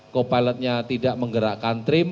co pilotnya tidak menggerakkan trim